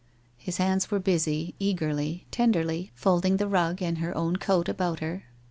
His hands were busy, eagerly, tenderly, folding the rug and her own coat about her.